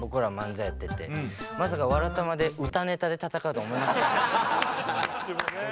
まさか「わらたま」で歌ネタで戦うとは思いませんでした。